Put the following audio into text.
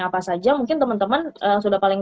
apa saja mungkin teman teman yang sudah paling